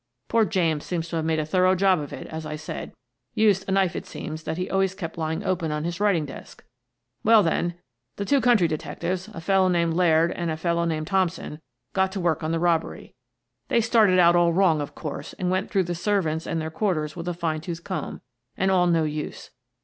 Poor James seems to have made a thorough job of it, as I said — used a knife, it seems, that he always kept lying open on his writing desk. Well, then, the two county detectives — a fellow named Laird and a fellow named Thompson — got to work on the robbery. They started out all wrong, of course, and went through the servants and their quarters with a fine tooth comb — and all no use.